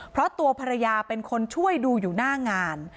เพราะตัวภรรยาเป็นคนช่วยดูอยู่หน้างาน